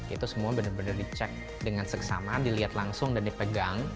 itu semua benar benar dicek dengan seksama dilihat langsung dan dipegang